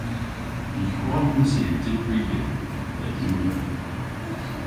Y hwrons i dybri li dhe unn eur.